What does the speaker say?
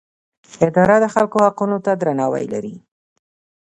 اداره د خلکو حقونو ته درناوی لري.